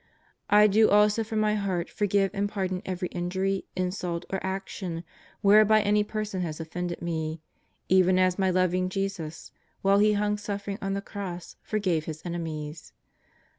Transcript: I do also from my heart forgive and pardon every injury, insult, or action whereby any person has offended me, even as my loving Jesus, while He hung suffer ing on the Cross, forgave His enemies.